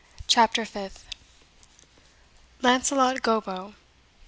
CHAPTER FIFTH. Launcelot Gobbo.